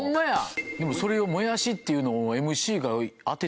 でもそれをもやしっていうのを。